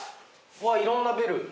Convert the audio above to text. うわいろんなベル。